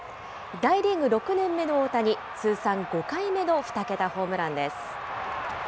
大リーグ６年目の大谷、通算５回目の２桁ホームランです。